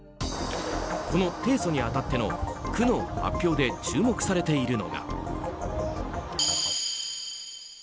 この提訴に当たっての区の発表で注目されているのが。